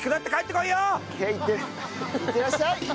いってらっしゃい！